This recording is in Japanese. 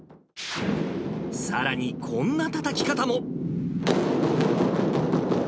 さらに、こんなたたき方も。